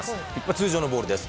通常のボールです。